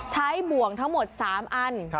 บ่วงทั้งหมด๓อัน